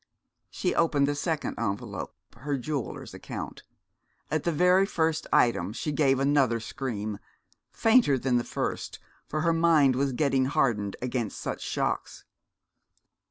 She opened the second envelope, her jeweller's account. At the very first item she gave another scream, fainter than the first, for her mind was getting hardened against such shocks.